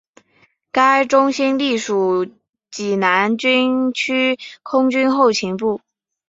该中心隶属济南军区空军后勤部。